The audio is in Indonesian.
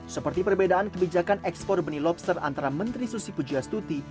seperti perbedaan kebijakan ekspor benih lobster antara menteri susi pujiastuti